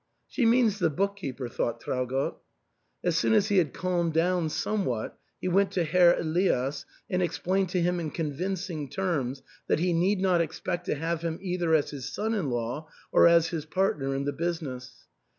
" She means the book keeper," thought Traugott. As soon as he had calmed down somewhat he went to Herr Elias and explained to him in convin cing terms that he need not expect to have him either as his son in law or as his partner in the business.